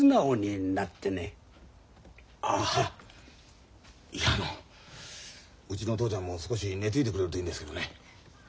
あはあいやあのうちの父ちゃんも少し寝ついてくれるといいんですけどね。